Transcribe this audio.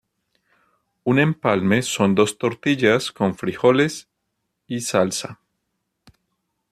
Un empalme son dos tortillas con frijoles y salsa.